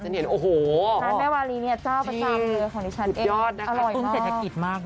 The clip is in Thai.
ฉันเห็นอ่อโหร้านแม่วาลีเนี่ยจ้าวประจำของดิฉันเองอร่อยมากอุปยอดนะคะต้องเศรษฐกิจมากนะ